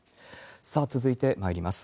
さあ、続いてまいります。